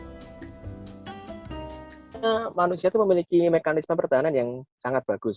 karena manusia itu memiliki mekanisme pertahanan yang sangat bagus